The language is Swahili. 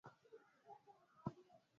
riri wa gazeti hilo alnur ahmed amethibitisha